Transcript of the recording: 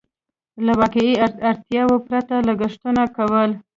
له واقعي اړتياوو پرته لګښتونه کول.